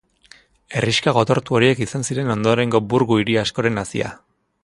Herrixka gotortu horiek izan ziren ondorengo burgu-hiri askoren hazia.